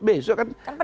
besok kan secepat